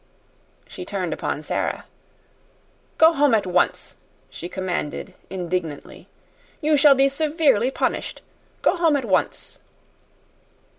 She turned upon Sara. "Go home at once," she commanded indignantly. "You shall be severely punished. Go home at once."